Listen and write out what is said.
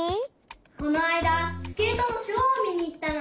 このあいだスケートのショーをみにいったの。